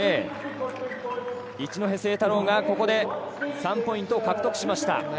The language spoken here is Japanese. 一戸誠太郎がここで３ポイントを獲得しました。